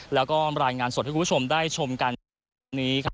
แล้วก็รายงานสดให้คุณผู้ชมได้ชมกันในภาพนี้ครับ